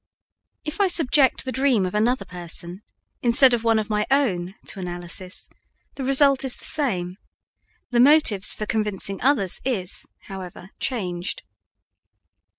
If I subject the dream of another person instead of one of my own to analysis, the result is the same; the motives for convincing others is, however, changed.